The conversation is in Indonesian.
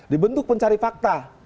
dibentuk pencari fakta